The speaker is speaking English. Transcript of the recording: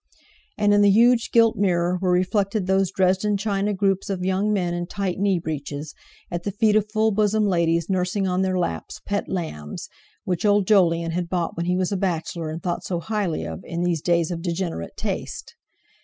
And in the huge gilt mirror were reflected those Dresden china groups of young men in tight knee breeches, at the feet of full bosomed ladies nursing on their laps pet lambs, which old Jolyon had bought when he was a bachelor and thought so highly of in these days of degenerate taste.